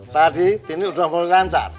tadi tini udah mau lancar